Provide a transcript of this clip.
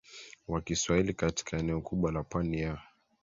wa Kiswahili katika eneo kubwa la pwani ya